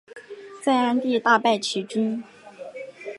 在鞍地大败齐军。